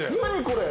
これ。